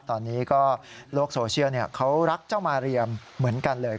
ตอนนี้ก็โลกโซเชียลเขารักเจ้ามาเรียมเหมือนกันเลย